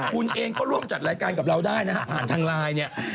คุณเองก็ร่วมจัดรายการกับเราได้นะฮะผ่านทางไลน์เนี่ย